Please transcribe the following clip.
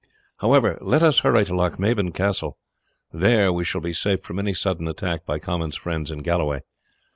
However, let us hurry to Lochmaben Castle; there we shall be safe from any sudden attack by Comyn's friends in Galloway.